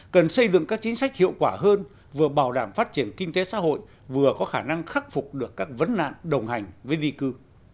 cần xây dựng các chính sách hiệu quả hơn vừa bảo đảm phát triển kinh tế xã hội vừa có khả năng khắc phục được các vấn nạn đồng hành với di cư